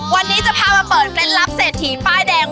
วันนี้จะพามาเปิดเคล็ดลับเศรษฐีป้ายแดง